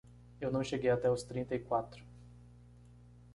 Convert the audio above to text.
Eu não cheguei até os trinta e quatro.